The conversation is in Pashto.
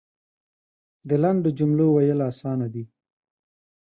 د لنډو جملو ویل اسانه دی .